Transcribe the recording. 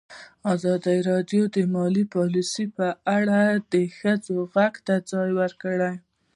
ازادي راډیو د مالي پالیسي په اړه د ښځو غږ ته ځای ورکړی.